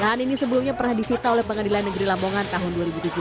lahan ini sebelumnya pernah disita oleh pengadilan negeri lamongan tahun dua ribu tujuh belas